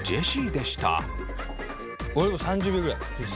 俺もう３０秒ぐらい。